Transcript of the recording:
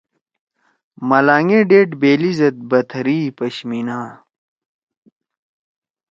ملانگے ڈیڑ بیلی زید بتھرِئی پشمینا